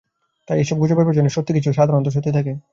তবে এইসব গুজবের পেছনে কিছু সত্যি সাধারণত থাকে।